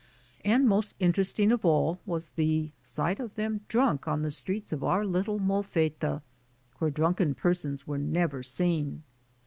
And most interesting of all was the sight of them drunk on the streets of our lit tle Molfetta, where drunken persons were never seen.